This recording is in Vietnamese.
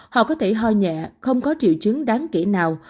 họ có thể ho nhẹ không có triệu chứng đáng kể nào